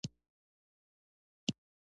غرونه د افغانستان د طبعي سیسټم توازن ساتي.